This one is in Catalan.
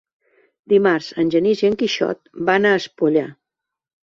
Dimarts en Genís i en Quixot van a Espolla.